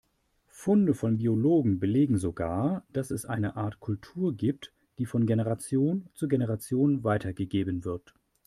Funde von Biologen belegen sogar, dass es eine Art Kultur gibt, die von Generation zu Generation weitergegeben wird.